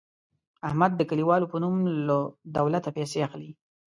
احمد د کلیوالو په نوم له دولته پیسې اخلي.